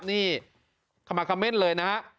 นี่ขมาคำเม่นเลยนะฮะ